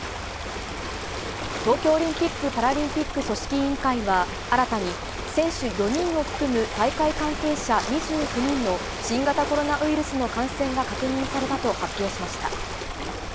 東京オリンピック・パラリンピック組織委員会は、新たに選手４人を含む大会関係者２９人の新型コロナウイルス感染が確認されたと発表しました。